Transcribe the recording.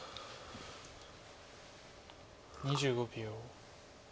２５秒。